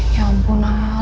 ya ampun al